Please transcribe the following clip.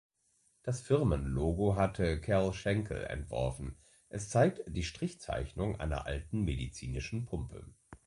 Das Firmenlogo hatte Cal Schenkel entworfen; es zeigt die Strichzeichnung einer alten medizinischen Pumpe.